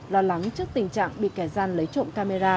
lo lắng trước tình trạng bị kẻ gian lấy trộm camera